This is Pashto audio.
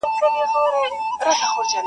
قبرکن به دي په ګورکړي د لمر وړانګي به ځلېږي-